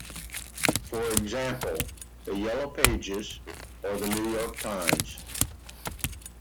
For example, "The Yellow Pages", or "The New York Times".